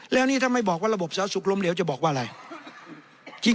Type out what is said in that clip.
แล้วนี่ถ้าไม่บอกว่าระบบสาธารณสุขล้มเหลวจะบอกว่าอะไร